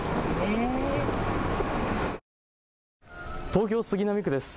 東京杉並区です。